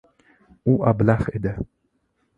U ablah edi!